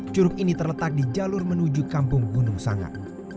curug ini terletak di jalur menuju kampung gunung sangga